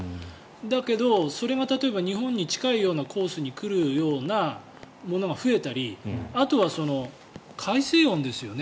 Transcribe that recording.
だけど、それが例えば日本に近いようなコースに来るようなものが増えたりあとは海水温ですよね。